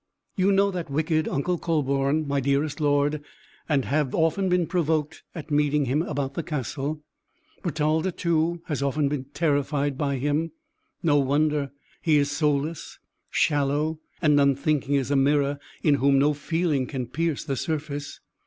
"You know that wicked Uncle Kühleborn, my dearest lord, and have often been provoked at meeting him about the castle. Bertalda, too, has been often terrified by him. No wonder; he is soulless, shallow, and unthinking as a mirror, in whom no feeling can pierce the surface.